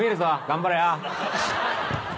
頑張れよ。